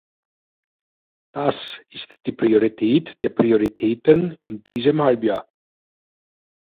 Das ist die Priorität der Prioritäten in diesem Halbjahr!